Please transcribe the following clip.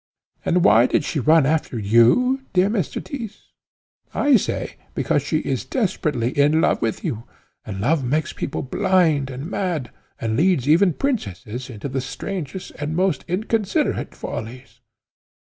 And why did she run after you, dear Mr. Tyss? I say, because she is desperately in love with you, and love makes people blind and mad, and leads even princesses into the strangest and most inconsiderate follies.